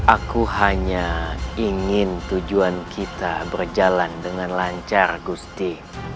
aku hanya ingin tujuan kita berjalan dengan lancar gusti